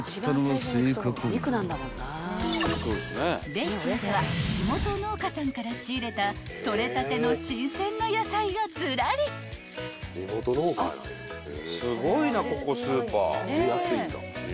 ［ベイシアでは地元農家さんから仕入れた採れたての新鮮な野菜がずらり］で安いんだ。